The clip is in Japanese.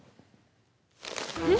えっ？